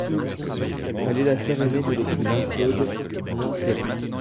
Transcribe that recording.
Elle est la sœur aînée de l'écrivain Claude Manceron.